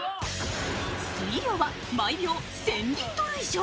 水量は毎秒１０００リットル以上。